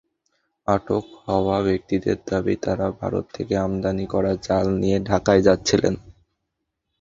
আটক হওয়া ব্যক্তিদের দাবি, তাঁরা ভারত থেকে আমদানি করা চাল নিয়ে ঢাকায় যাচ্ছিলেন।